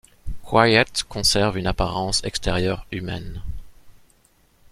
Quiet conserve une apparence extérieure humaine.